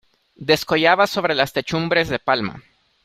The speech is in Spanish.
descollaba sobre las techumbres de palma.